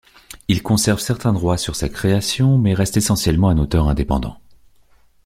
Il conserve certains droits sur sa création, mais reste essentiellement un auteur indépendant.